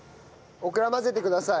オクラ混ぜてください。